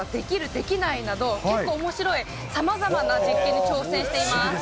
できない？など、結構おもしろいさまざまな実験に挑戦しています。